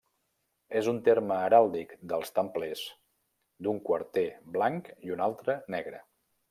És un terme heràldic dels templers d’un quarter blanc i un altre negre.